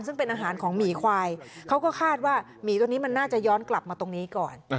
ซึ่งเป็นอาหารของหมีควายเขาก็คาดว่าหมีตัวนี้มันน่าจะย้อนกลับมาตรงนี้ก่อน